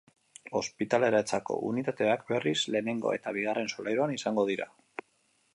Ospitaleratzerako unitateak, berriz, lehenengo eta bigarren solairuan izango dira.